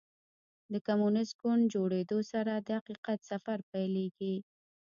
د کمونیسټ ګوند جوړېدو سره د حقیقت سفر پیلېږي.